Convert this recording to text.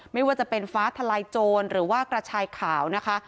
ไม่ว่าจะเป็นฟ้าทลายโจรหรือว่ากระชายขาวนะคะ